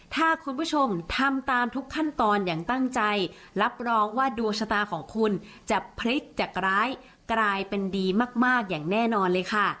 ถ้าคุณผู้ชมทำตามทุกขั้นตอนอย่างตั้งใจรับรองว่าดวงชะตาของคุณจะพลิกจากร้ายกลายเป็นดีมากอย่างแน่นอนเลยค่ะ